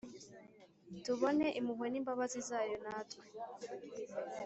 tubone impuhwe n'imbabazi zayo natwe